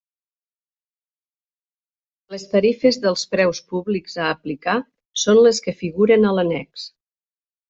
Les tarifes dels preus públics a aplicar són les que figuren a l'annex.